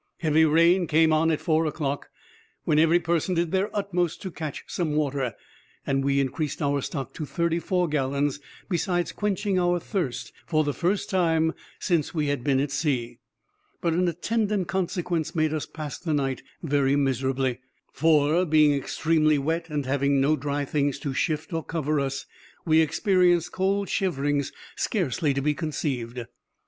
Heavy rain came on at four o'clock, when every person did their utmost to catch some water, and we increased our stock to thirty four gallons, besides quenching our thirst for the first time since we had been at sea; but an attendant consequence made us pass the night very miserably, for, being extremely wet, and having no dry things to shift or cover us, we experienced cold shiverings scarcely to be conceived.